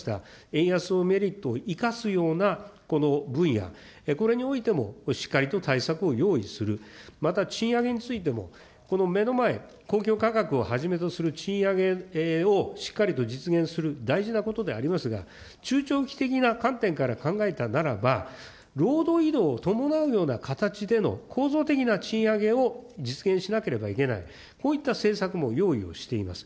円安のメリットを生かすような分野、これにおいてもしっかりと対策を用意する、また賃上げについてもこの目の前、公共価格をはじめとする賃上げをしっかりと実現する、大事なことでありますが、中長期的な観点から考えたならば、労働移動を伴うような形での、構造的な賃上げを実現しなければならない、こういった政策も用意をしています。